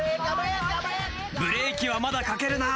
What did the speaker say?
ブレーキはまだかけるな。